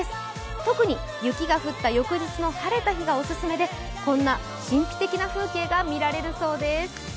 特に雪の降った翌日の晴れた日がオススメで、このような神秘的な風景が見られるそうです。